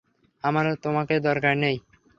আমার তোমাকে দরকার নেই!